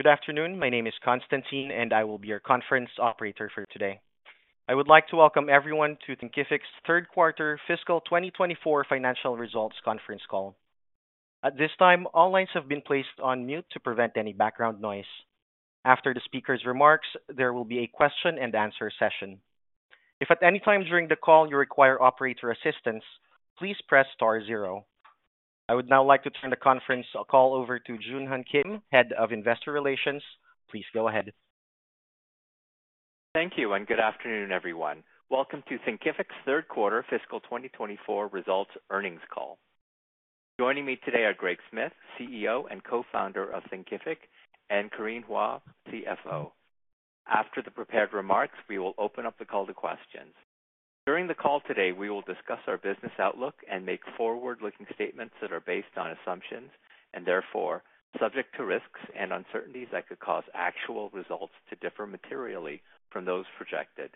Good afternoon. My name is Konstantin, and I will be your conference operator for today. I would like to welcome everyone to Thinkific's Third Quarter Fiscal 2024 Financial Results Conference Call. At this time, all lines have been placed on mute to prevent any background noise. After the speaker's remarks, there will be a question-and-answer session. If at any time during the call you require operator assistance, please press star zero. I would now like to turn the conference call over to Joo-Hun Kim, Head of Investor Relations. Please go ahead. Thank you, and good afternoon, everyone. Welcome to Thinkific's Third Quarter Fiscal 2024 Results Earnings Call. Joining me today are Greg Smith, CEO and co-founder of Thinkific, and Corinne Hua, CFO. After the prepared remarks, we will open up the call to questions. During the call today, we will discuss our business outlook and make forward-looking statements that are based on assumptions and, therefore, subject to risks and uncertainties that could cause actual results to differ materially from those projected.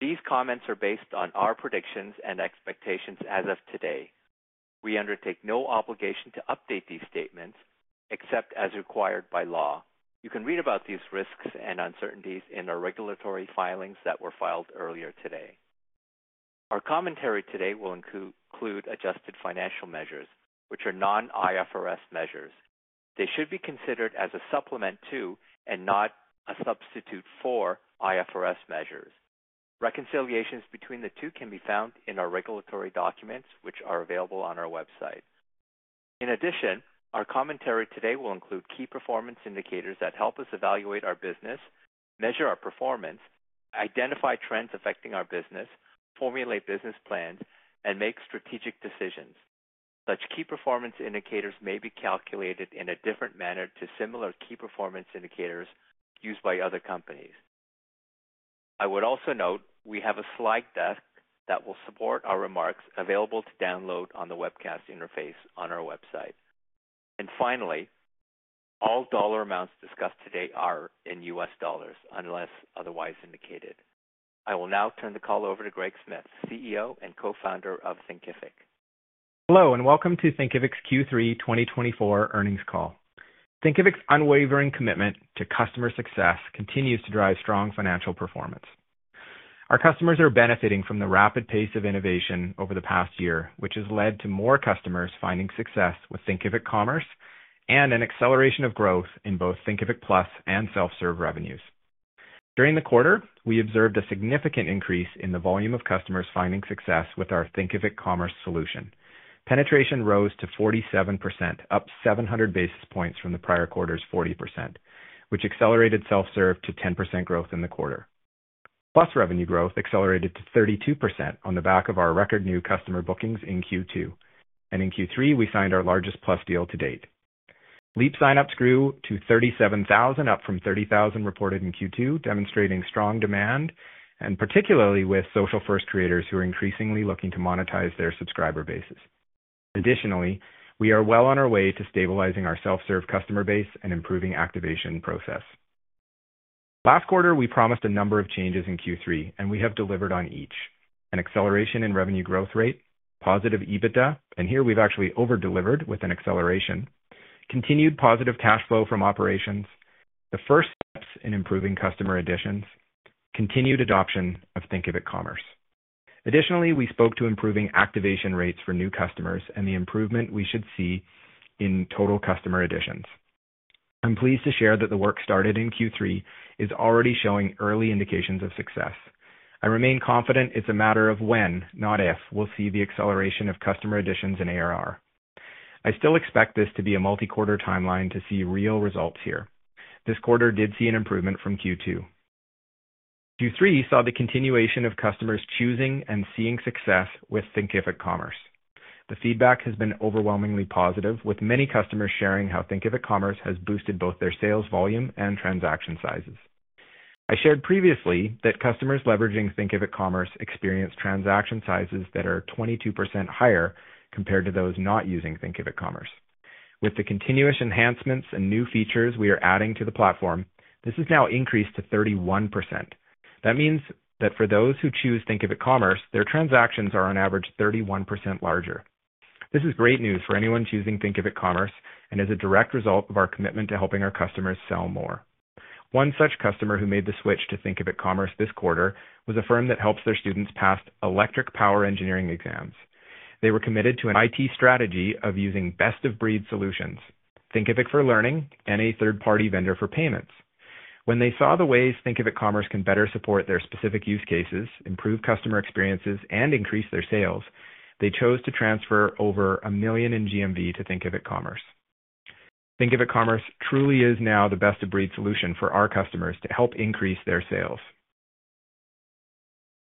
These comments are based on our predictions and expectations as of today. We undertake no obligation to update these statements except as required by law. You can read about these risks and uncertainties in our regulatory filings that were filed earlier today. Our commentary today will include adjusted financial measures, which are non-IFRS measures. They should be considered as a supplement to and not a substitute for IFRS measures. Reconciliations between the two can be found in our regulatory documents, which are available on our website. In addition, our commentary today will include key performance indicators that help us evaluate our business, measure our performance, identify trends affecting our business, formulate business plans, and make strategic decisions. Such key performance indicators may be calculated in a different manner to similar key performance indicators used by other companies. I would also note we have a slide deck that will support our remarks available to download on the webcast interface on our website. And finally, all dollar amounts discussed today are in US dollars unless otherwise indicated. I will now turn the call over to Greg Smith, CEO and co-founder of Thinkific. Hello, and welcome to Thinkific's Q3 2024 Earnings Call. Thinkific's unwavering commitment to customer success continues to drive strong financial performance. Our customers are benefiting from the rapid pace of innovation over the past year, which has led to more customers finding success with Thinkific Commerce and an acceleration of growth in both Thinkific Plus and self-serve revenues. During the quarter, we observed a significant increase in the volume of customers finding success with our Thinkific Commerce solution. Penetration rose to 47%, up 700 basis points from the prior quarter's 40%, which accelerated self-serve to 10% growth in the quarter. Plus revenue growth accelerated to 32% on the back of our record new customer bookings in Q2, and in Q3, we signed our largest Plus deal to date. Leap sign-ups grew to 37,000, up from 30,000 reported in Q2, demonstrating strong demand, and particularly with social-first creators who are increasingly looking to monetize their subscriber bases. Additionally, we are well on our way to stabilizing our self-serve customer base and improving activation process. Last quarter, we promised a number of changes in Q3, and we have delivered on each: an acceleration in revenue growth rate, positive EBITDA, and here we've actually over-delivered with an acceleration, continued positive cash flow from operations, the first steps in improving customer additions, and continued adoption of Thinkific Commerce. Additionally, we spoke to improving activation rates for new customers and the improvement we should see in total customer additions. I'm pleased to share that the work started in Q3 is already showing early indications of success. I remain confident it's a matter of when, not if, we'll see the acceleration of customer additions in ARR. I still expect this to be a multi-quarter timeline to see real results here. This quarter did see an improvement from Q2. Q3 saw the continuation of customers choosing and seeing success with Thinkific Commerce. The feedback has been overwhelmingly positive, with many customers sharing how Thinkific Commerce has boosted both their sales volume and transaction sizes. I shared previously that customers leveraging Thinkific Commerce experience transaction sizes that are 22% higher compared to those not using Thinkific Commerce. With the continuous enhancements and new features we are adding to the platform, this has now increased to 31%. That means that for those who choose Thinkific Commerce, their transactions are on average 31% larger. This is great news for anyone choosing Thinkific Commerce and is a direct result of our commitment to helping our customers sell more. One such customer who made the switch to Thinkific Commerce this quarter was a firm that helps their students pass electric power engineering exams. They were committed to an IT strategy of using best-of-breed solutions: Thinkific for learning and a third-party vendor for payments. When they saw the ways Thinkific Commerce can better support their specific use cases, improve customer experiences, and increase their sales, they chose to transfer over a million in GMV to Thinkific Commerce. Thinkific Commerce truly is now the best-of-breed solution for our customers to help increase their sales.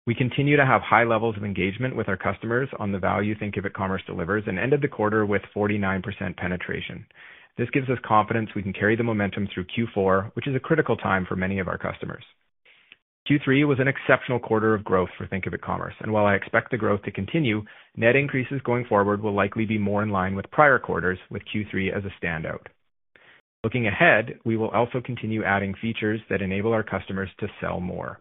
We continue to have high levels of engagement with our customers on the value Thinkific Commerce delivers and ended the quarter with 49% penetration. This gives us confidence we can carry the momentum through Q4, which is a critical time for many of our customers. Q3 was an exceptional quarter of growth for Thinkific Commerce, and while I expect the growth to continue, net increases going forward will likely be more in line with prior quarters, with Q3 as a standout. Looking ahead, we will also continue adding features that enable our customers to sell more.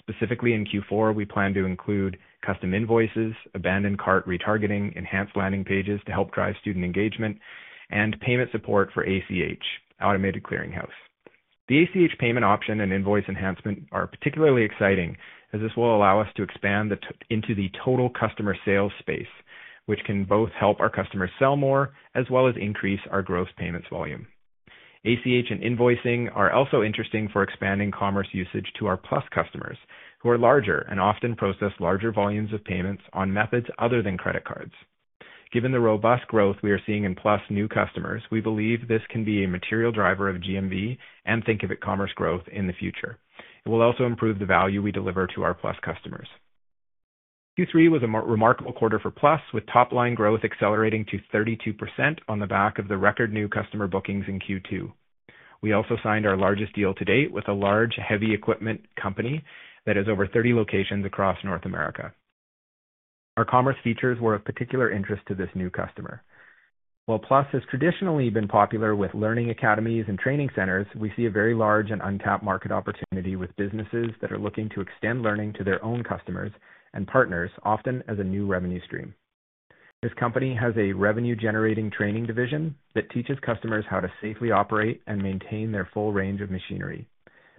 Specifically, in Q4, we plan to include custom invoices, abandoned cart retargeting, enhanced landing pages to help drive student engagement, and payment support for ACH, Automated Clearing House. The ACH payment option and invoice enhancement are particularly exciting, as this will allow us to expand into the total customer sales space, which can both help our customers sell more as well as increase our gross payments volume. ACH and invoicing are also interesting for expanding commerce usage to our Plus customers, who are larger and often process larger volumes of payments on methods other than credit cards. Given the robust growth we are seeing in Plus new customers, we believe this can be a material driver of GMV and Thinkific Commerce growth in the future. It will also improve the value we deliver to our Plus customers. Q3 was a remarkable quarter for Plus, with top-line growth accelerating to 32% on the back of the record new customer bookings in Q2. We also signed our largest deal to date with a large, heavy-equipment company that has over 30 locations across North America. Our commerce features were of particular interest to this new customer. While Plus has traditionally been popular with learning academies and training centers, we see a very large and untapped market opportunity with businesses that are looking to extend learning to their own customers and partners, often as a new revenue stream. This company has a revenue-generating training division that teaches customers how to safely operate and maintain their full range of machinery.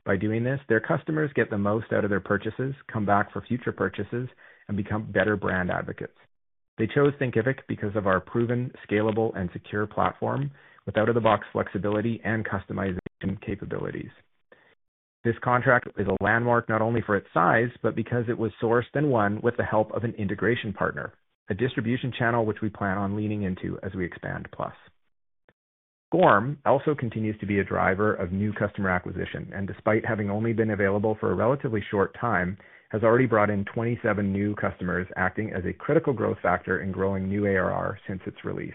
By doing this, their customers get the most out of their purchases, come back for future purchases, and become better brand advocates. They chose Thinkific because of our proven, scalable, and secure platform with out-of-the-box flexibility and customization capabilities. This contract is a landmark not only for its size but because it was sourced and won with the help of an integration partner, a distribution channel which we plan on leaning into as we expand Plus. SCORM also continues to be a driver of new customer acquisition and, despite having only been available for a relatively short time, has already brought in 27 new customers, acting as a critical growth factor in growing new ARR since its release.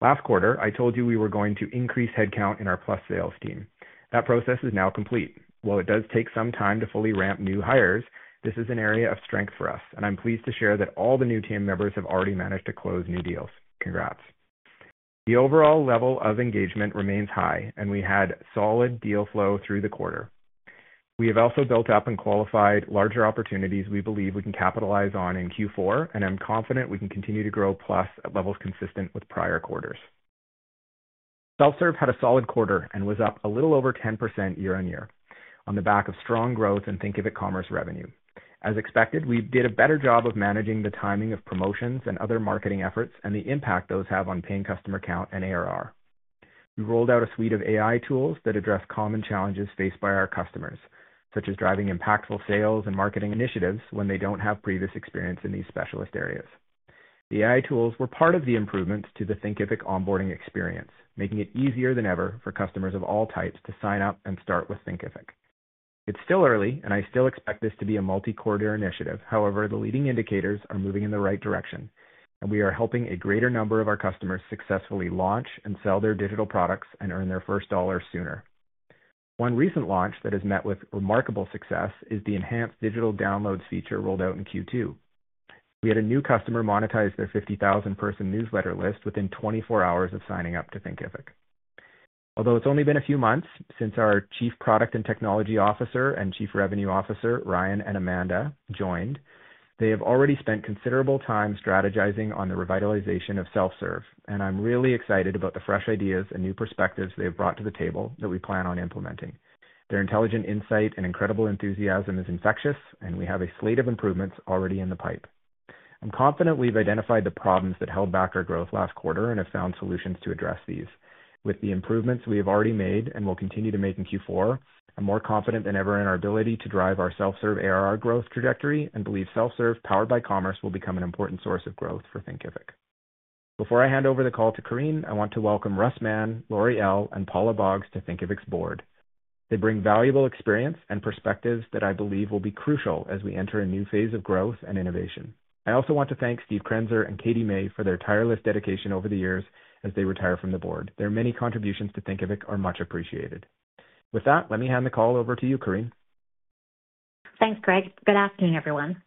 Last quarter, I told you we were going to increase headcount in our Plus sales team. That process is now complete. While it does take some time to fully ramp new hires, this is an area of strength for us, and I'm pleased to share that all the new team members have already managed to close new deals. Congrats. The overall level of engagement remains high, and we had solid deal flow through the quarter. We have also built up and qualified larger opportunities we believe we can capitalize on in Q4, and I'm confident we can continue to grow Plus at levels consistent with prior quarters. Self-serve had a solid quarter and was up a little over 10% year on year, on the back of strong growth in Thinkific Commerce revenue. As expected, we did a better job of managing the timing of promotions and other marketing efforts and the impact those have on paying customer count and ARR. We rolled out a suite of AI tools that address common challenges faced by our customers, such as driving impactful sales and marketing initiatives when they don't have previous experience in these specialist areas. The AI tools were part of the improvements to the Thinkific onboarding experience, making it easier than ever for customers of all types to sign up and start with Thinkific. It's still early, and I still expect this to be a multi-quarter initiative. However, the leading indicators are moving in the right direction, and we are helping a greater number of our customers successfully launch and sell their digital products and earn their first dollar sooner. One recent launch that has met with remarkable success is the enhanced digital downloads feature rolled out in Q2. We had a new customer monetize their 50,000-person newsletter list within 24 hours of signing up to Thinkific. Although it's only been a few months since our Chief Product and Technology Officer and Chief Revenue Officer, Ryan and Amanda, joined, they have already spent considerable time strategizing on the revitalization of self-serve, and I'm really excited about the fresh ideas and new perspectives they have brought to the table that we plan on implementing. Their intelligent insight and incredible enthusiasm is infectious, and we have a slate of improvements already in the pipe. I'm confident we've identified the problems that held back our growth last quarter and have found solutions to address these. With the improvements we have already made and will continue to make in Q4, I'm more confident than ever in our ability to drive our self-serve ARR growth trajectory and believe self-serve powered by commerce will become an important source of growth for Thinkific. Before I hand over the call to Corinne, I want to welcome Russ Mann, Lori Ell, and Paula Boggs to Thinkific's board. They bring valuable experience and perspectives that I believe will be crucial as we enter a new phase of growth and innovation. I also want to thank Steve Krenzer and Katie May for their tireless dedication over the years as they retire from the board. Their many contributions to Thinkific are much appreciated. With that, let me hand the call over to you, Corinne. Thanks, Greg. Good afternoon, everyone.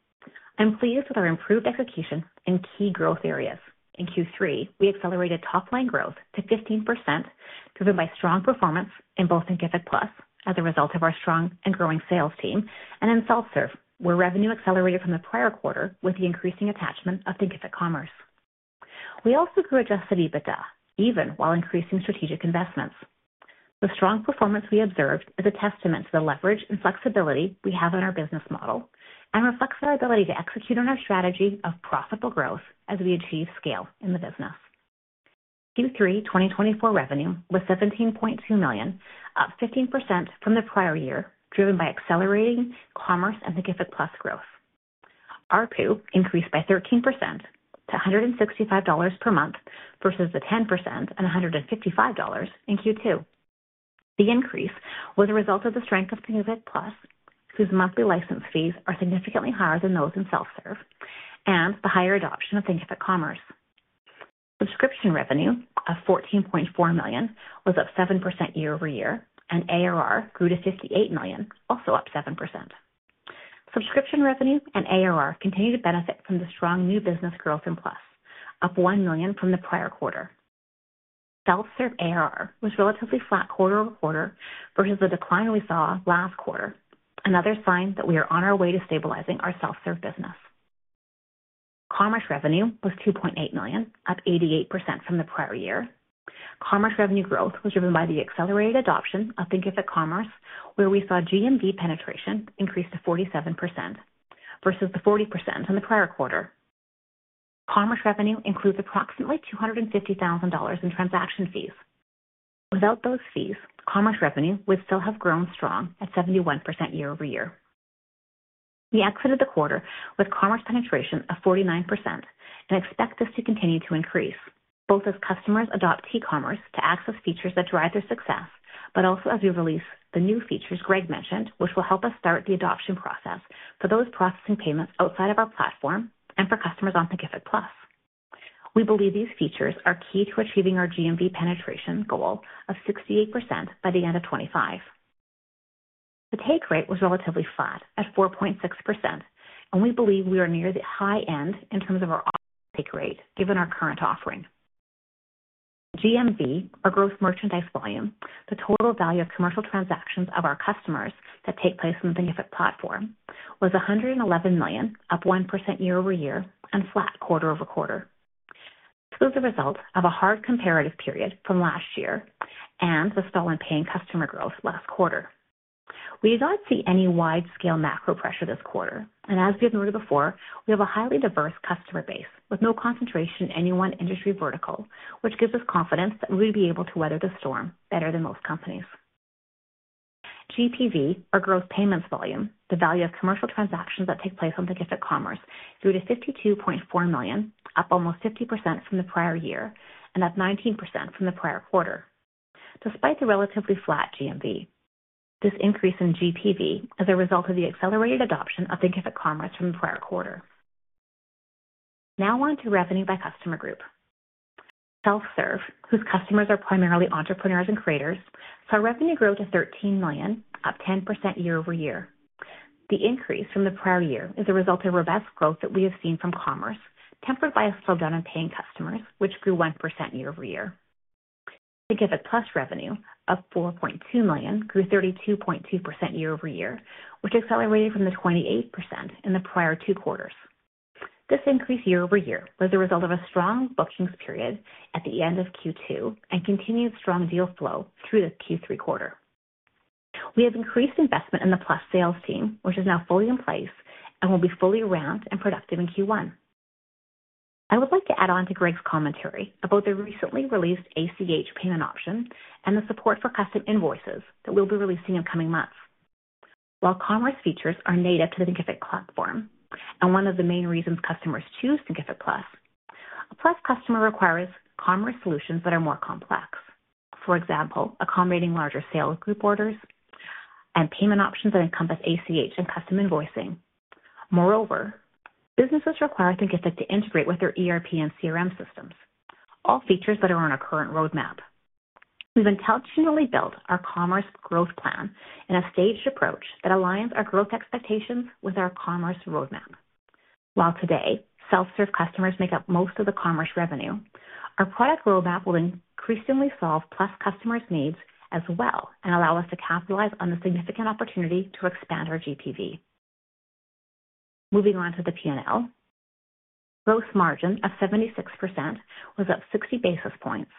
I'm pleased with our improved execution and key growth areas. In Q3, we accelerated top-line growth to 15% driven by strong performance in both Thinkific Plus as a result of our strong and growing sales team, and in self-serve, where revenue accelerated from the prior quarter with the increasing attachment of Thinkific Commerce. We also grew Adjusted EBITDA, even while increasing strategic investments. The strong performance we observed is a testament to the leverage and flexibility we have in our business model and reflects our ability to execute on our strategy of profitable growth as we achieve scale in the business. Q3 2024 revenue was $17.2 million, up 15% from the prior year, driven by accelerating commerce and Thinkific Plus growth. Our ARPU increased by 13% to $165 per month versus the 10% and $155 in Q2. The increase was a result of the strength of Thinkific Plus, whose monthly license fees are significantly higher than those in self-serve, and the higher adoption of Thinkific Commerce. Subscription revenue of $14.4 million was up 7% year over year, and ARR grew to $58 million, also up 7%. Subscription revenue and ARR continue to benefit from the strong new business growth in Plus, up $1 million from the prior quarter. Self-serve ARR was relatively flat quarter over quarter versus the decline we saw last quarter, another sign that we are on our way to stabilizing our self-serve business. Commerce revenue was $2.8 million, up 88% from the prior year. Commerce revenue growth was driven by the accelerated adoption of Thinkific Commerce, where we saw GMV penetration increase to 47% versus the 40% in the prior quarter. Commerce revenue includes approximately $250,000 in transaction fees. Without those fees, commerce revenue would still have grown strong at 71% year over year. We exited the quarter with commerce penetration of 49% and expect this to continue to increase, both as customers adopt e-commerce to access features that drive their success, but also as we release the new features Greg mentioned, which will help us start the adoption process for those processing payments outside of our platform and for customers on Thinkific Plus. We believe these features are key to achieving our GMV penetration goal of 68% by the end of 2025. The take rate was relatively flat at 4.6%, and we believe we are near the high end in terms of our take rate, given our current offering. GMV, our gross merchandise volume, the total value of commercial transactions of our customers that take place on the Thinkific platform, was $111 million, up 1% year over year, and flat quarter over quarter. This was the result of a hard comparative period from last year and the stall in paying customer growth last quarter. We do not see any wide-scale macro pressure this quarter, and as we have noted before, we have a highly diverse customer base with no concentration in any one industry vertical, which gives us confidence that we would be able to weather the storm better than most companies. GPV, our gross payments volume, the value of commercial transactions that take place on Thinkific Commerce, grew to $52.4 million, up almost 50% from the prior year and up 19% from the prior quarter, despite the relatively flat GMV. This increase in GPV is a result of the accelerated adoption of Thinkific Commerce from the prior quarter. Now on to revenue by customer group. Self-serve, whose customers are primarily entrepreneurs and creators, saw revenue grow to $13 million, up 10% year over year. The increase from the prior year is a result of robust growth that we have seen from commerce, tempered by a slowdown in paying customers, which grew 1% year over year. Thinkific Plus revenue, up $4.2 million, grew 32.2% year over year, which accelerated from the 28% in the prior two quarters. This increase year over year was a result of a strong bookings period at the end of Q2 and continued strong deal flow through the Q3 quarter. We have increased investment in the Plus sales team, which is now fully in place and will be fully ramped and productive in Q1. I would like to add on to Greg's commentary about the recently released ACH payment option and the support for custom invoices that we'll be releasing in coming months. While commerce features are native to the Thinkific platform and one of the main reasons customers choose Thinkific Plus, a Plus customer requires commerce solutions that are more complex. For example, accommodating larger sales group orders and payment options that encompass ACH and custom invoicing. Moreover, businesses require Thinkific to integrate with their ERP and CRM systems, all features that are on our current roadmap. We've intentionally built our commerce growth plan in a staged approach that aligns our growth expectations with our commerce roadmap. While today, self-serve customers make up most of the commerce revenue, our product roadmap will increasingly solve Plus customers' needs as well and allow us to capitalize on the significant opportunity to expand our GPV. Moving on to the P&L, gross margin of 76% was up 60 basis points,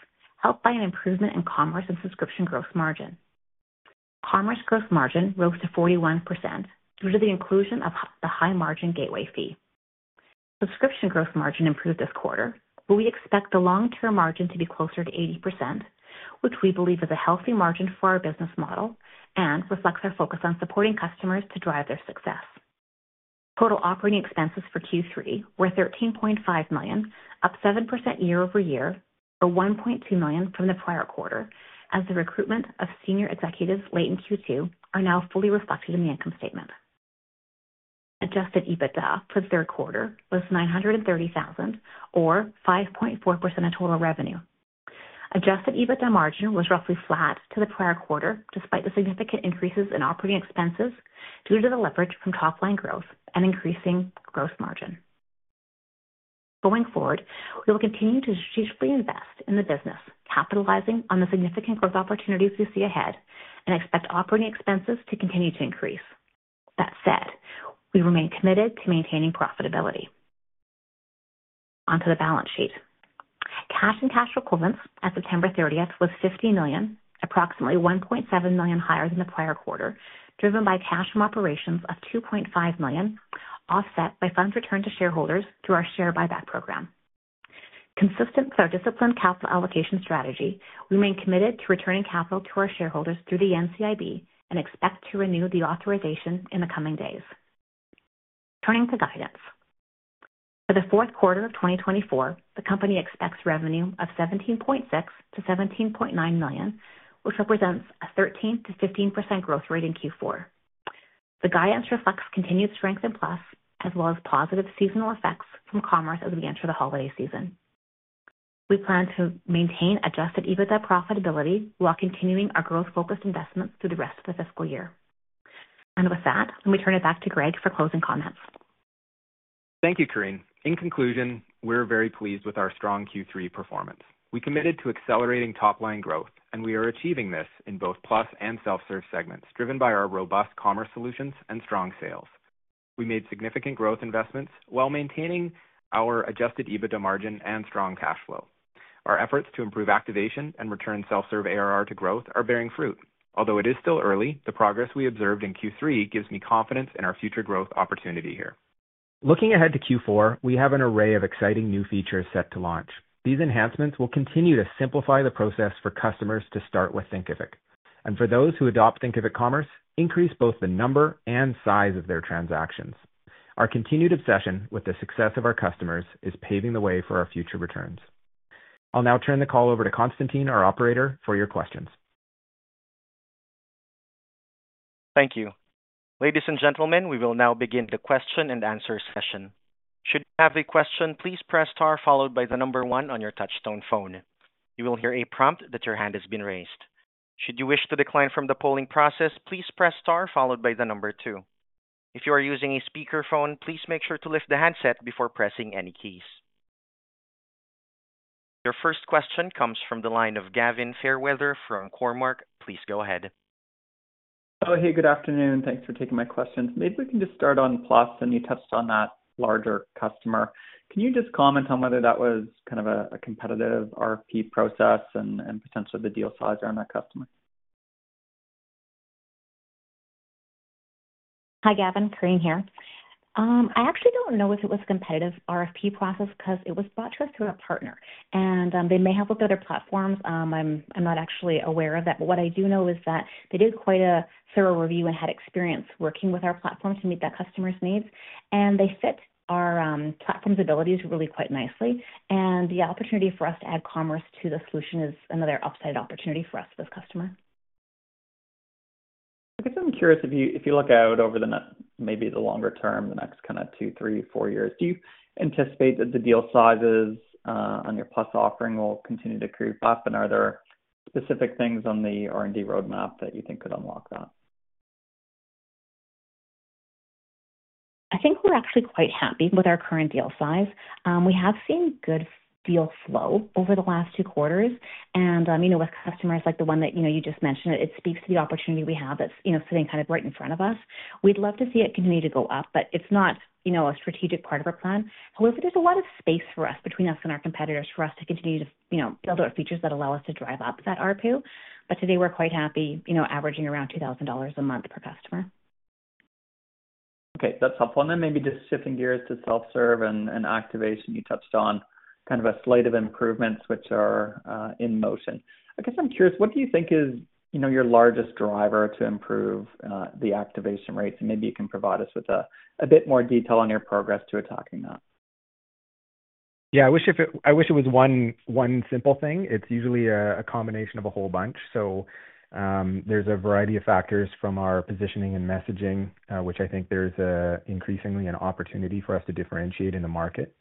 helped by an improvement in commerce and subscription gross margin. Commerce gross margin rose to 41% due to the inclusion of the high-margin gateway fee. Subscription gross margin improved this quarter, but we expect the long-term margin to be closer to 80%, which we believe is a healthy margin for our business model and reflects our focus on supporting customers to drive their success. Total operating expenses for Q3 were $13.5 million, up 7% year over year, or $1.2 million from the prior quarter, as the recruitment of senior executives late in Q2 is now fully reflected in the income statement. Adjusted EBITDA for the third quarter was $930,000, or 5.4% of total revenue. Adjusted EBITDA margin was roughly flat to the prior quarter, despite the significant increases in operating expenses due to the leverage from top-line growth and increasing gross margin. Going forward, we will continue to strategically invest in the business, capitalizing on the significant growth opportunities we see ahead, and expect operating expenses to continue to increase. That said, we remain committed to maintaining profitability. Onto the balance sheet. Cash and cash equivalents as of September 30th was $50 million, approximately $1.7 million higher than the prior quarter, driven by cash from operations of $2.5 million, offset by funds returned to shareholders through our share buyback program. Consistent with our disciplined capital allocation strategy, we remain committed to returning capital to our shareholders through the NCIB and expect to renew the authorization in the coming days. Turning to guidance. For the fourth quarter of 2024, the company expects revenue of $17.6 million-$17.9 million, which represents a 13%-15% growth rate in Q4. The guidance reflects continued strength in Plus, as well as positive seasonal effects from commerce as we enter the holiday season. We plan to maintain Adjusted EBITDA profitability while continuing our growth-focused investments through the rest of the fiscal year. And with that, let me turn it back to Greg for closing comments. Thank you, Corinne. In conclusion, we're very pleased with our strong Q3 performance. We committed to accelerating top-line growth, and we are achieving this in both Plus and self-serve segments, driven by our robust commerce solutions and strong sales. We made significant growth investments while maintaining our Adjusted EBITDA margin and strong cash flow. Our efforts to improve activation and return self-serve ARR to growth are bearing fruit. Although it is still early, the progress we observed in Q3 gives me confidence in our future growth opportunity here. Looking ahead to Q4, we have an array of exciting new features set to launch. These enhancements will continue to simplify the process for customers to start with Thinkific, and for those who adopt Thinkific Commerce, increase both the number and size of their transactions. Our continued obsession with the success of our customers is paving the way for our future returns. I'll now turn the call over to Konstantin, our operator, for your questions. Thank you. Ladies and gentlemen, we will now begin the question and answer session. Should you have a question, please press * followed by the number 1 on your touch-tone phone. You will hear a prompt that your hand has been raised. Should you wish to decline from the polling process, please press * followed by the number 2. If you are using a speakerphone, please make sure to lift the handset before pressing any keys. Your first question comes from the line of Gavin Fairweather from Cormark. Please go ahead. Hello. Hey, good afternoon. Thanks for taking my questions. Maybe we can just start on Plus, and you touched on that larger customer. Can you just comment on whether that was kind of a competitive RFP process and potentially the deal size around that customer? Hi, Gavin. Corinne here. I actually don't know if it was a competitive RFP process because it was brought to us through a partner, and they may have looked at other platforms. I'm not actually aware of that, but what I do know is that they did quite a thorough review and had experience working with our platform to meet that customer's needs, and they fit our platform's abilities really quite nicely, and the opportunity for us to add commerce to the solution is another upside opportunity for us with this customer. I guess I'm curious, if you look out over the maybe longer term, the next kind of two, three, four years, do you anticipate that the deal sizes on your Plus offering will continue to creep up, and are there specific things on the R&D roadmap that you think could unlock that? I think we're actually quite happy with our current deal size. We have seen good deal flow over the last two quarters, and with customers like the one that you just mentioned, it speaks to the opportunity we have that's sitting kind of right in front of us. We'd love to see it continue to go up, but it's not a strategic part of our plan. However, there's a lot of space for us between us and our competitors for us to continue to build our features that allow us to drive up that ARPU, but today, we're quite happy, averaging around $2,000 a month per customer. Okay. That's helpful. And then maybe just shifting gears to self-serve and activation, you touched on kind of a slate of improvements which are in motion. I guess I'm curious. What do you think is your largest driver to improve the activation rates? And maybe you can provide us with a bit more detail on your progress to attacking that? Yeah. I wish it was one simple thing. It's usually a combination of a whole bunch. So there's a variety of factors from our positioning and messaging, which I think there's increasingly an opportunity for us to differentiate in the market.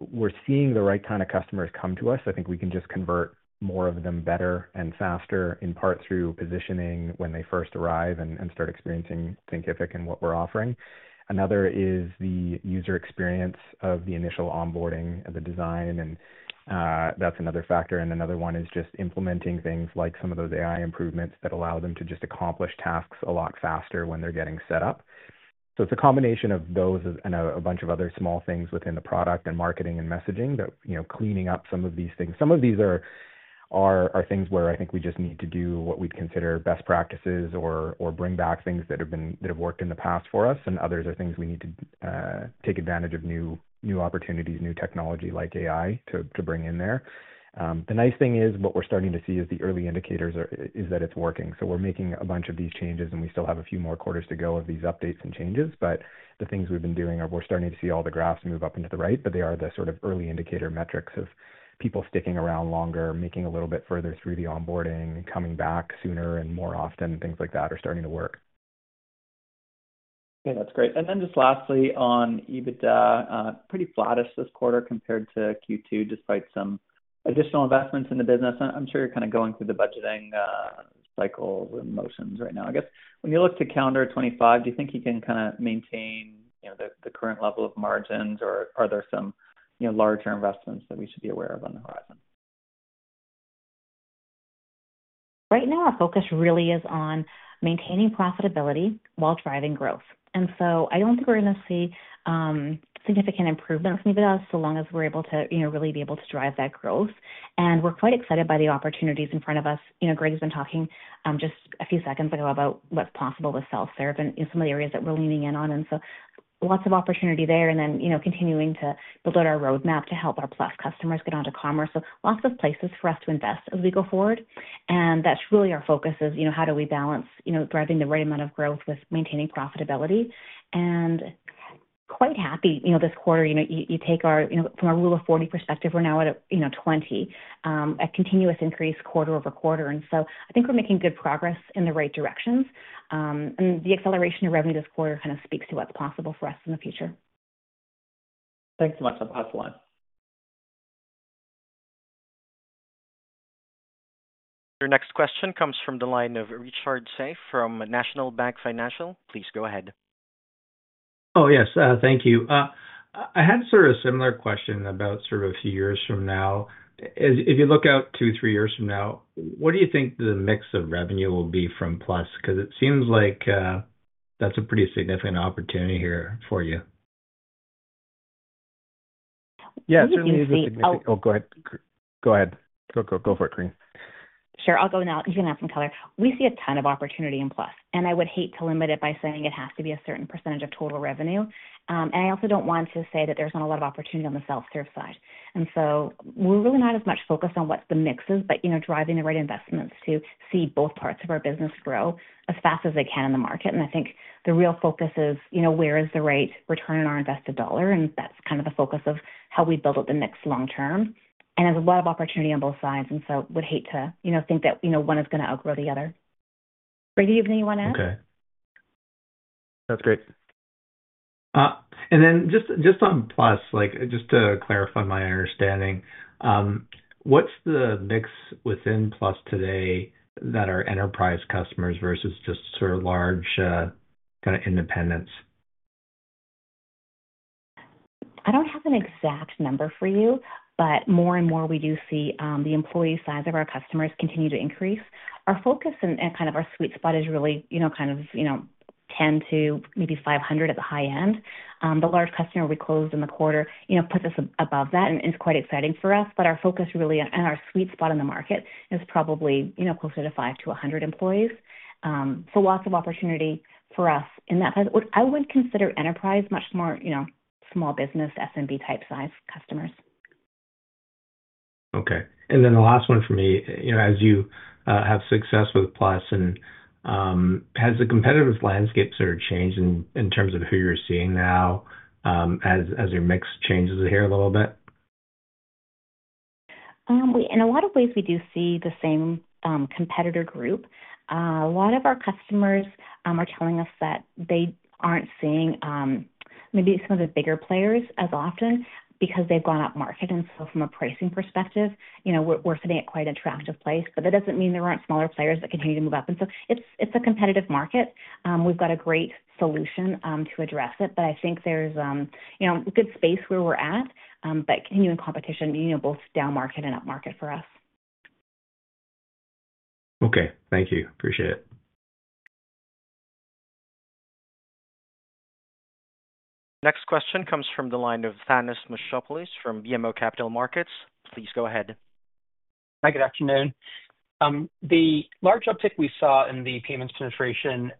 We're seeing the right kind of customers come to us. I think we can just convert more of them better and faster, in part through positioning when they first arrive and start experiencing Thinkific and what we're offering. Another is the user experience of the initial onboarding and the design. And that's another factor. And another one is just implementing things like some of those AI improvements that allow them to just accomplish tasks a lot faster when they're getting set up. So it's a combination of those and a bunch of other small things within the product and marketing and messaging that cleaning up some of these things. Some of these are things where I think we just need to do what we'd consider best practices or bring back things that have worked in the past for us, and others are things we need to take advantage of new opportunities, new technology like AI to bring in there. The nice thing is what we're starting to see is the early indicators is that it's working, so we're making a bunch of these changes, and we still have a few more quarters to go of these updates and changes, but the things we've been doing are we're starting to see all the graphs move up into the right, but they are the sort of early indicator metrics of people sticking around longer, making a little bit further through the onboarding, coming back sooner and more often, things like that are starting to work. Yeah. That's great. And then just lastly on EBITDA, pretty flattish this quarter compared to Q2, despite some additional investments in the business. I'm sure you're kind of going through the budgeting cycles and motions right now. I guess when you look to calendar 2025, do you think you can kind of maintain the current level of margins, or are there some larger investments that we should be aware of on the horizon? Right now, our focus really is on maintaining profitability while driving growth, and so I don't think we're going to see significant improvements in EBITDA so long as we're able to really drive that growth, and we're quite excited by the opportunities in front of us. Greg has been talking just a few seconds ago about what's possible with self-serve and some of the areas that we're leaning in on, and so lots of opportunity there, and then continuing to build out our roadmap to help our Plus customers get onto commerce, so lots of places for us to invest as we go forward, and that's really our focus is how do we balance driving the right amount of growth with maintaining profitability, and we're quite happy this quarter, you take ours from a Rule of 40 perspective, we're now at 20, a continuous increase quarter over quarter. I think we're making good progress in the right directions. The acceleration of revenue this quarter kind of speaks to what's possible for us in the future. Thanks so much. That's a powerful line. Your next question comes from the line of Richard Tse from National Bank Financial. Please go ahead. Oh, yes. Thank you. I had sort of a similar question about sort of a few years from now. If you look out two, three years from now, what do you think the mix of revenue will be from Plus? Because it seems like that's a pretty significant opportunity here for you. Yeah. Certainly a pretty significant. Oh, go ahead. Go ahead. Go for it, Corinne. Sure. I'll go now. You can have some color. We see a ton of opportunity in Plus. And I would hate to limit it by saying it has to be a certain percentage of total revenue. And I also don't want to say that there's not a lot of opportunity on the self-serve side. And so we're really not as much focused on what's the mixes, but driving the right investments to see both parts of our business grow as fast as they can in the market. And I think the real focus is where is the right return on our invested dollar? And that's kind of the focus of how we build up the mix long-term. And there's a lot of opportunity on both sides. And so I would hate to think that one is going to outgrow the other. Greg, do you have anyone else? Okay. That's great. Just on Plus, just to clarify my understanding, what's the mix within Plus today that are enterprise customers versus just sort of large kind of independents? I don't have an exact number for you, but more and more we do see the employee size of our customers continue to increase. Our focus and kind of our sweet spot is really kind of 10 to maybe 500 at the high end. The large customer we closed in the quarter puts us above that and is quite exciting for us. But our focus really and our sweet spot in the market is probably closer to five to 100 employees. So lots of opportunity for us in that. I would consider enterprise much more small business, SMB-type size customers. Okay. And then the last one for me, as you have success with Plus, has the competitive landscape sort of changed in terms of who you're seeing now as your mix changes here a little bit? In a lot of ways, we do see the same competitor group. A lot of our customers are telling us that they aren't seeing maybe some of the bigger players as often because they've gone up market, and so from a pricing perspective, we're sitting at quite an attractive place, but that doesn't mean there aren't smaller players that continue to move up, and so it's a competitive market. We've got a great solution to address it, but I think there's good space where we're at, but continuing competition, both down market and up market for us. Okay. Thank you. Appreciate it. Next question comes from the line of Thanos Moschopoulos from BMO Capital Markets. Please go ahead. Hi, good afternoon. The large uptick we saw in the payments penetration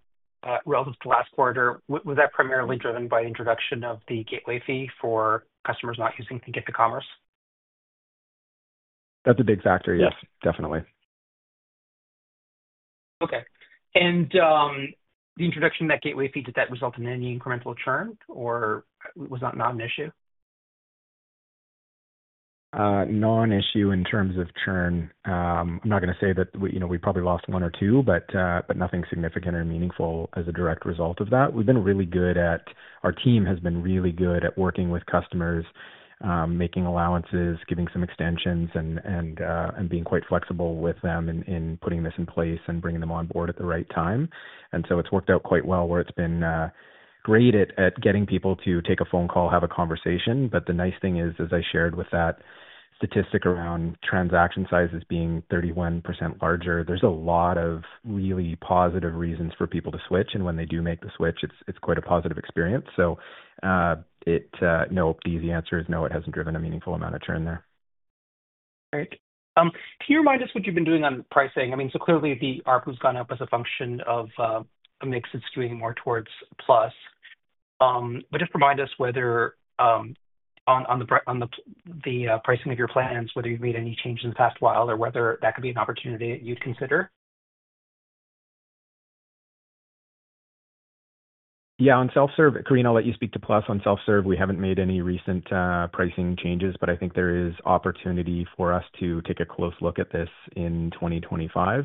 relative to last quarter, was that primarily driven by the introduction of the gateway fee for customers not using Thinkific Commerce? That's a big factor, yes. Definitely. Okay. And the introduction of that gateway fee, did that result in any incremental churn, or was that not an issue? Not an issue in terms of churn. I'm not going to say that we probably lost one or two, but nothing significant or meaningful as a direct result of that. Our team has been really good at working with customers, making allowances, giving some extensions, and being quite flexible with them in putting this in place and bringing them on board at the right time. And so it's worked out quite well. We've been great at getting people to take a phone call, have a conversation. But the nice thing is, as I shared with that statistic around transaction sizes being 31% larger, there's a lot of really positive reasons for people to switch. And when they do make the switch, it's quite a positive experience. So no, the easy answer is no, it hasn't driven a meaningful amount of churn there. Great. Can you remind us what you've been doing on pricing? I mean, so clearly, the ARPU has gone up as a function of a mix that's skewing more towards Plus. But just remind us whether on the pricing of your plans, whether you've made any changes in the past while or whether that could be an opportunity that you'd consider? Yeah. On self-serve, Corinne, I'll let you speak to Plus. On self-serve, we haven't made any recent pricing changes, but I think there is opportunity for us to take a close look at this in 2025.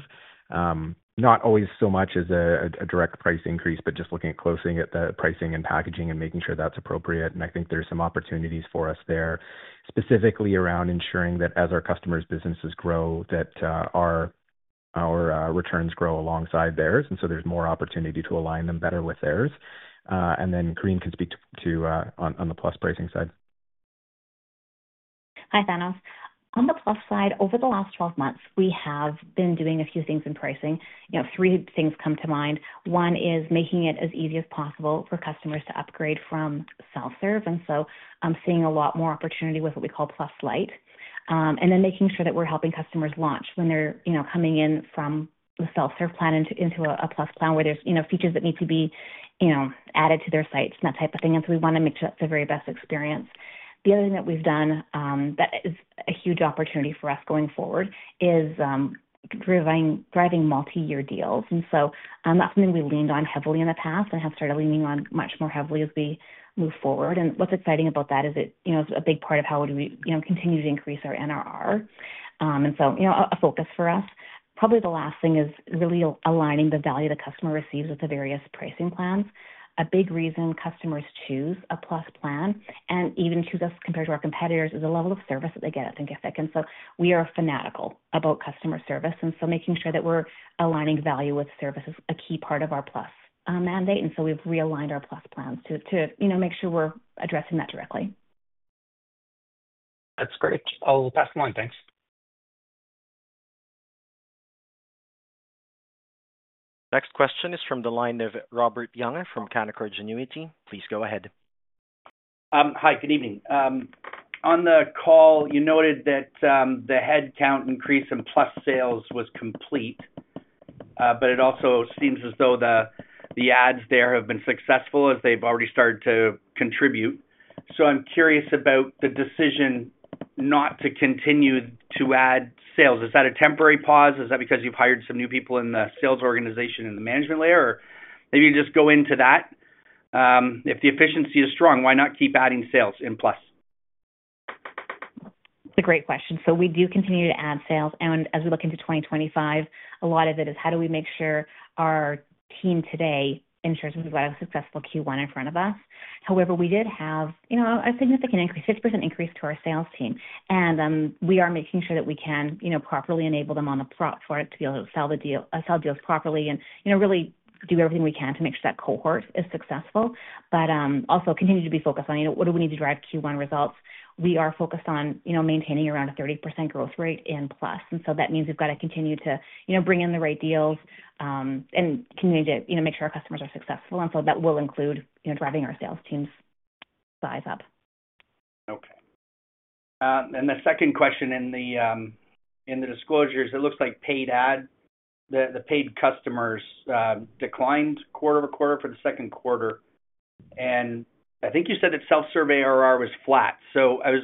Not always so much as a direct price increase, but just looking at closing at the pricing and packaging and making sure that's appropriate. And I think there's some opportunities for us there, specifically around ensuring that as our customers' businesses grow, that our returns grow alongside theirs. And so there's more opportunity to align them better with theirs. And then Corinne can speak to on the Plus pricing side. Hi, Thanos. On the Plus side, over the last 12 months, we have been doing a few things in pricing. Three things come to mind. One is making it as easy as possible for customers to upgrade from self-serve, and so I'm seeing a lot more opportunity with what we call Plus Lite, and then making sure that we're helping customers launch when they're coming in from the self-serve plan into a Plus plan where there's features that need to be added to their sites and that type of thing, and so we want to make sure that's the very best experience. The other thing that we've done that is a huge opportunity for us going forward is driving multi-year deals, and so that's something we leaned on heavily in the past and have started leaning on much more heavily as we move forward. What's exciting about that is it's a big part of how we continue to increase our NRR. So a focus for us. Probably the last thing is really aligning the value the customer receives with the various pricing plans. A big reason customers choose a Plus plan and even choose us compared to our competitors is the level of service that they get at Thinkific. We are fanatical about customer service. Making sure that we're aligning value with service is a key part of our Plus mandate. We've realigned our Plus plans to make sure we're addressing that directly. That's great. I'll pass them on. Thanks. Next question is from the line of Robert Young from Canaccord Genuity. Please go ahead. Hi, good evening. On the call, you noted that the headcount increase in Plus sales was complete, but it also seems as though the adds there have been successful as they've already started to contribute. So I'm curious about the decision not to continue to add sales. Is that a temporary pause? Is that because you've hired some new people in the sales organization and the management layer, or maybe you just go into that? If the efficiency is strong, why not keep adding sales in Plus? It's a great question, so we do continue to add sales. And as we look into 2025, a lot of it is how do we make sure our team today ensures we've got a successful Q1 in front of us. However, we did have a significant increase, 50% increase to our sales team, and we are making sure that we can properly enable them on the product for it to be able to sell deals properly and really do everything we can to make sure that cohort is successful, but also continue to be focused on what do we need to drive Q1 results. We are focused on maintaining around a 30% growth rate in Plus, and so that means we've got to continue to bring in the right deals and continue to make sure our customers are successful, and so that will include driving our sales teams' size up. Okay. And the second question in the disclosure is it looks like paid adds, the paid customers declined quarter over quarter for the second quarter. And I think you said that self-serve ARR was flat. So I was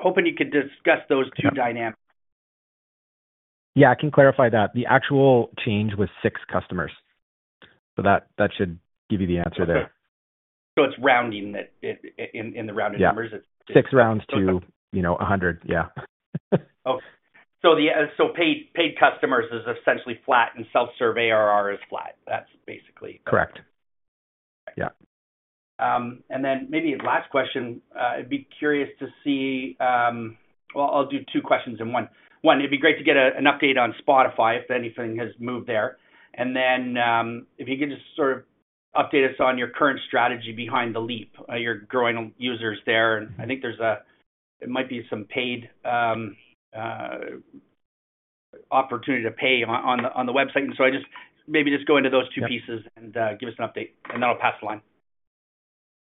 hoping you could discuss those two dynamics. Yeah. I can clarify that. The actual change was six customers. So that should give you the answer there. Okay. So it's rounding in the rounded numbers? Yeah. Six rounds to 100. Yeah. Okay. So paid customers is essentially flat and self-serve ARR is flat. That's basically. Correct. Okay. And then maybe last question, I'd be curious to see well, I'll do two questions in one. One, it'd be great to get an update on Spotify if anything has moved there. And then if you could just sort of update us on your current strategy behind the leap, your growing users there. And I think there might be some paid opportunity to pay on the website. And so maybe just go into those two pieces and give us an update, and then I'll pass the line.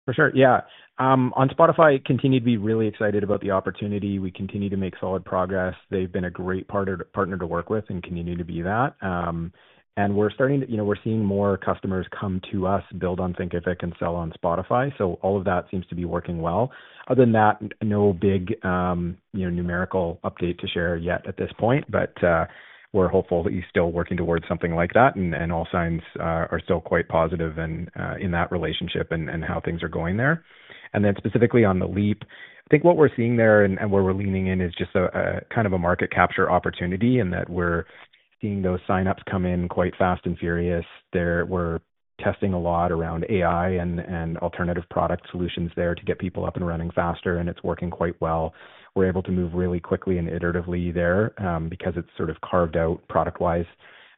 For sure. Yeah. On Spotify, continue to be really excited about the opportunity. We continue to make solid progress. They've been a great partner to work with and continue to be that. And we're starting to see more customers come to us, build on Thinkific, and sell on Spotify. So all of that seems to be working well. Other than that, no big numerical update to share yet at this point, but we're hopeful that you're still working towards something like that. And all signs are still quite positive in that relationship and how things are going there. And then specifically on The Leap, I think what we're seeing there and where we're leaning in is just kind of a market capture opportunity and that we're seeing those signups come in quite fast and furious. We're testing a lot around AI and alternative product solutions there to get people up and running faster, and it's working quite well. We're able to move really quickly and iteratively there because it's sort of carved out product-wise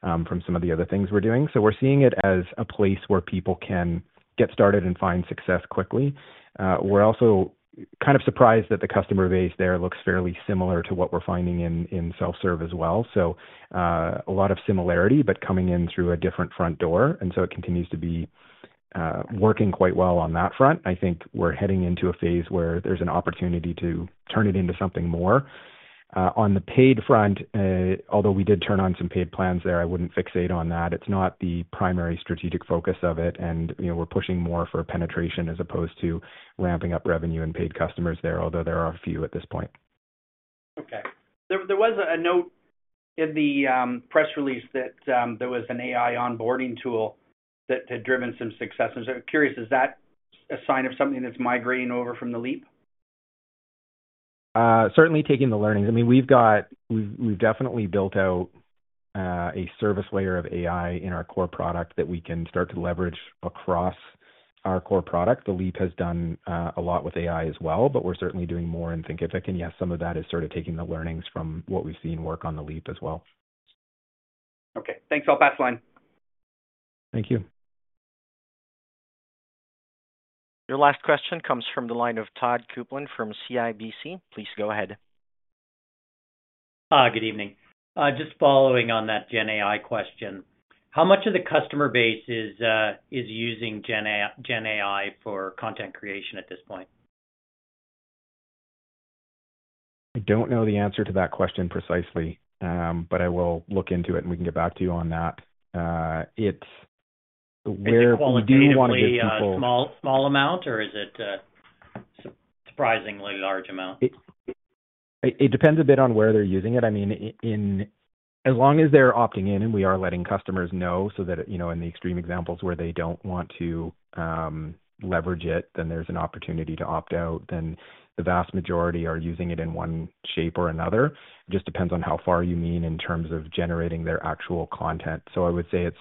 from some of the other things we're doing. So we're seeing it as a place where people can get started and find success quickly. We're also kind of surprised that the customer base there looks fairly similar to what we're finding in self-serve as well. So a lot of similarity, but coming in through a different front door. And so it continues to be working quite well on that front. I think we're heading into a phase where there's an opportunity to turn it into something more. On the paid front, although we did turn on some paid plans there, I wouldn't fixate on that. It's not the primary strategic focus of it. And we're pushing more for penetration as opposed to ramping up revenue and paid customers there, although there are a few at this point. Okay. There was a note in the press release that there was an AI onboarding tool that had driven some success. And so I'm curious, is that a sign of something that's migrating over from The Leap? Certainly taking the learnings. I mean, we've definitely built out a service layer of AI in our core product that we can start to leverage across our core product. The Leap has done a lot with AI as well, but we're certainly doing more in Thinkific, and yes, some of that is sort of taking the learnings from what we've seen work on The Leap as well. Okay. Thanks. I'll pass the line. Thank you. Your last question comes from the line of Todd Coupland from CIBC. Please go ahead. Hi, good evening. Just following on that GenAI question, how much of the customer base is using GenAI for content creation at this point? I don't know the answer to that question precisely, but I will look into it, and we can get back to you on that. Where we do want to get people. Is it a small amount, or is it a surprisingly large amount? It depends a bit on where they're using it. I mean, as long as they're opting in, and we are letting customers know so that in the extreme examples where they don't want to leverage it, then there's an opportunity to opt out. Then the vast majority are using it in one shape or another. It just depends on how far you mean in terms of generating their actual content. So I would say it's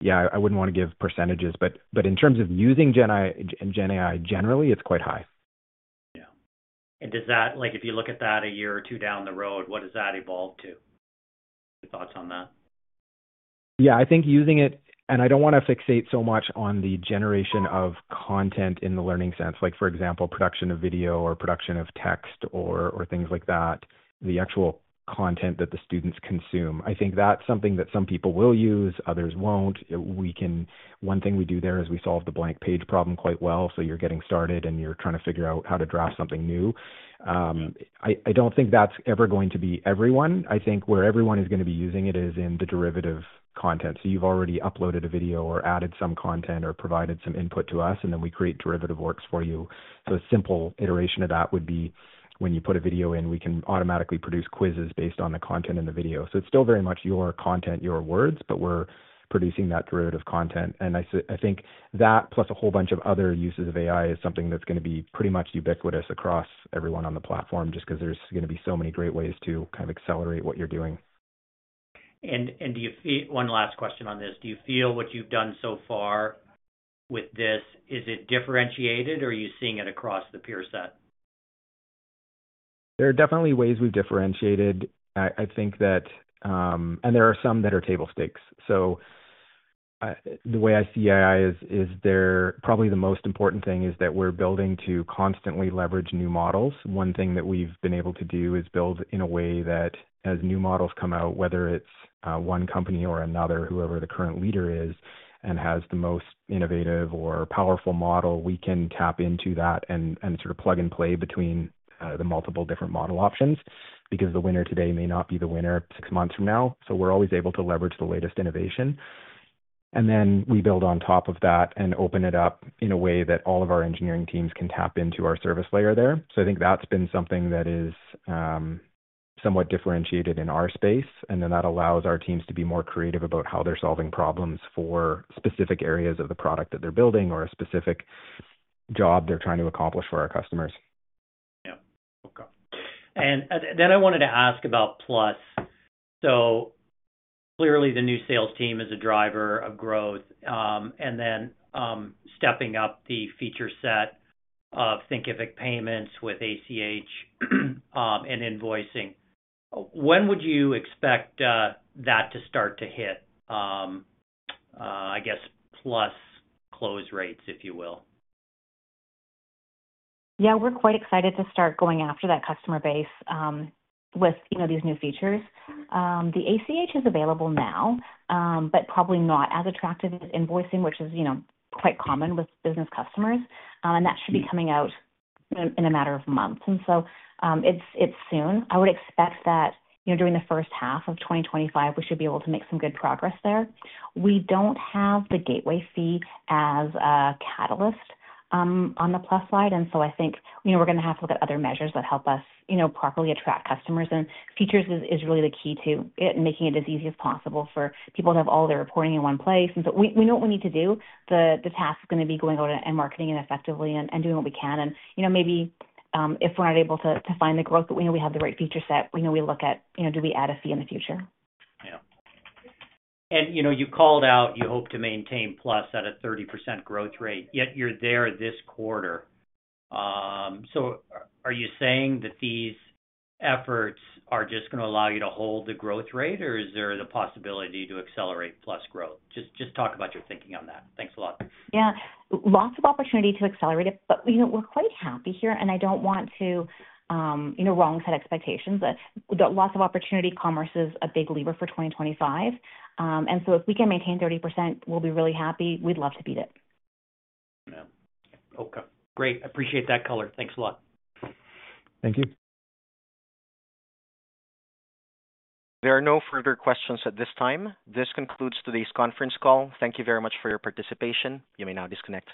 yeah, I wouldn't want to give percentages, but in terms of using GenAI generally, it's quite high. Yeah. And if you look at that a year or two down the road, what does that evolve to? Any thoughts on that? Yeah. I think using it, and I don't want to fixate so much on the generation of content in the learning sense, like for example, production of video or production of text or things like that, the actual content that the students consume. I think that's something that some people will use, others won't. One thing we do there is we solve the blank page problem quite well. So you're getting started, and you're trying to figure out how to draft something new. I don't think that's ever going to be everyone. I think where everyone is going to be using it is in the derivative content. So you've already uploaded a video or added some content or provided some input to us, and then we create derivative works for you. So a simple iteration of that would be when you put a video in, we can automatically produce quizzes based on the content in the video. So it's still very much your content, your words, but we're producing that derivative content. And I think that plus a whole bunch of other uses of AI is something that's going to be pretty much ubiquitous across everyone on the platform just because there's going to be so many great ways to kind of accelerate what you're doing. One last question on this. Do you feel what you've done so far with this, is it differentiated, or are you seeing it across the peer set? There are definitely ways we've differentiated. I think that, and there are some that are table stakes. So the way I see AI is probably the most important thing is that we're building to constantly leverage new models. One thing that we've been able to do is build in a way that as new models come out, whether it's one company or another, whoever the current leader is and has the most innovative or powerful model, we can tap into that and sort of plug and play between the multiple different model options because the winner today may not be the winner six months from now. So we're always able to leverage the latest innovation. And then we build on top of that and open it up in a way that all of our engineering teams can tap into our service layer there. So I think that's been something that is somewhat differentiated in our space. And then that allows our teams to be more creative about how they're solving problems for specific areas of the product that they're building or a specific job they're trying to accomplish for our customers. Yeah. Okay. And then I wanted to ask about Plus. So clearly, the new sales team is a driver of growth. And then, stepping up the feature set of Thinkific Payments with ACH and invoicing. When would you expect that to start to hit, I guess, Plus close rates, if you will? Yeah. We're quite excited to start going after that customer base with these new features. The ACH is available now, but probably not as attractive as invoicing, which is quite common with business customers. And that should be coming out in a matter of months. And so it's soon. I would expect that during the first half of 2025, we should be able to make some good progress there. We don't have the gateway fee as a catalyst on the Plus side. And so I think we're going to have to look at other measures that help us properly attract customers. And features is really the key to making it as easy as possible for people to have all their reporting in one place. And so we know what we need to do. The task is going to be going out and marketing it effectively and doing what we can. Maybe if we're not able to find the growth, but we know we have the right feature set, we know we look at do we add a fee in the future. Yeah. And you called out you hope to maintain Plus at a 30% growth rate, yet you're there this quarter. So are you saying that these efforts are just going to allow you to hold the growth rate, or is there the possibility to accelerate Plus growth? Just talk about your thinking on that. Thanks a lot. Yeah. Lots of opportunity to accelerate it, but we're quite happy here. And I don't want to wrongly set expectations. Lots of opportunity. Commerce is a big lever for 2025. And so if we can maintain 30%, we'll be really happy. We'd love to beat it. Yeah. Okay. Great. Appreciate that color. Thanks a lot. Thank you. There are no further questions at this time. This concludes today's conference call. Thank you very much for your participation. You may now disconnect.